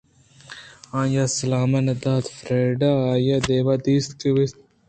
آئی ءَسلام نہ دات فریڈا ءَآئی ءِ دیم ءَ دست بست اَنت کہ کمے اوپارءُتحمبل بہ کنت